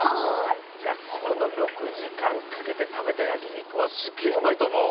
いやこの６時間かけて食べたやきにくはすげえうまいとおもう。